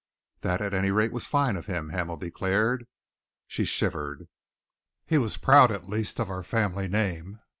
"That, at any rate, was fine of him," Hamel declared. She shivered. "He was proud, at least, of our family name.